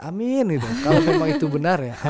amin itu kalau memang itu benar ya